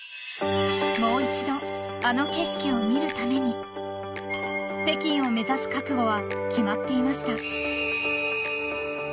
［もう一度あの景色を見るために北京を目指す覚悟は決まっていました］